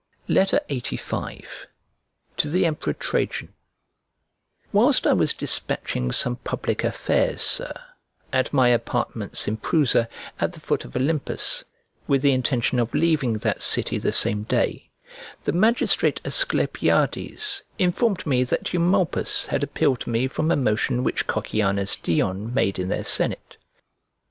LXXXV To THE EMPEROR TRAJAN WHILST I was despatching some public affairs, Sir, at my apartments in Prusa, at the foot of Olympus, with the intention of leaving that city the same day, the magistrate Asclepiades informed me that Eumolpus had appealed to me from a motion which Cocceianus Dion made in their senate.